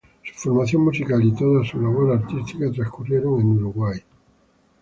Su formación musical y toda su labor artística transcurrieron en Uruguay.